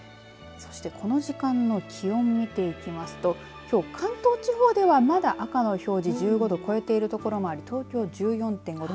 そして、この時間の気温を見ていきますときょう関東地方ではまだ赤の表示、１５度を超えている所もあり東京、１４．５度。